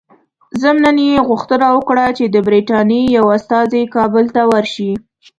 ضمناً یې غوښتنه وکړه چې د برټانیې یو استازی کابل ته ورسي.